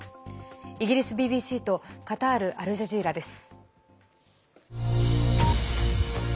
イギリスＢＢＣとカタール・アルジャジーラです。